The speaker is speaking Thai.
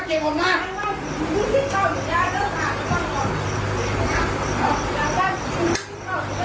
เก็บมาก